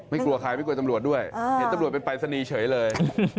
กลัวใครไม่กลัวตำรวจด้วยเห็นตำรวจเป็นปรายศนีย์เฉยเลย